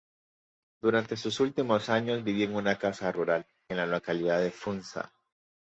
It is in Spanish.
Durante sus últimos años vivió en una casa rural en la localidad de Funza.